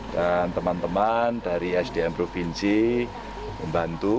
dan teman teman dari sdm provinsi membantu